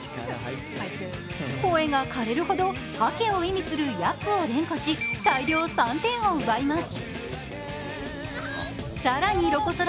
声が枯れるほど掃けを意味するヤップを連呼し大量３点を奪います。